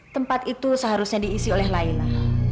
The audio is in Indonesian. tempat itu seharusnya diisi oleh laila